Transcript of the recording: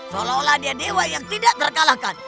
seolah olah dia dewa yang tidak terkalahkan